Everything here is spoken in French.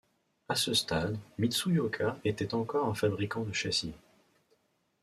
À ce stade, Mitsuoka était encore un fabricant de châssis.